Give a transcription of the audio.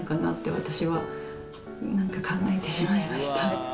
私はなんか考えてしまいました。